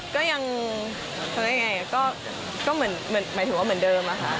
ก็ยังทำได้อย่างไรก็เหมือนเดิมค่ะ